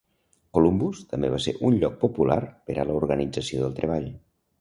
Columbus també va ser un lloc popular per a l'organització del treball.